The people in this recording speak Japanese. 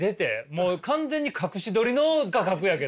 もう完全に隠し撮りの画角やけど。